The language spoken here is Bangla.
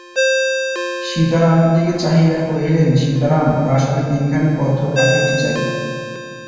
সীতারামের দিকে চাহিয়া কহিলেন, সীতারাম, প্রাসাদে তিনখানি পত্র পাঠাইতে চাই।